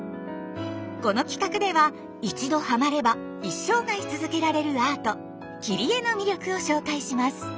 この企画では一度ハマれば一生涯続けられるアート「切り絵」の魅力を紹介します。